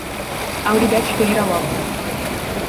Auridete Ferreira Lopes